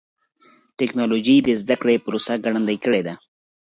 ټکنالوجي د زدهکړې پروسه ګړندۍ کړې ده.